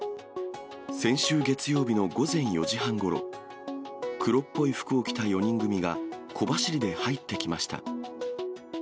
先週月曜日の午前４時半ごろ、黒っぽい服を着た４人組が小走りで入ってきました。